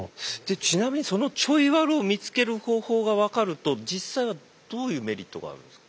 ちなみにそのちょいワルを見つける方法が分かると実際はどういうメリットがあるんですか？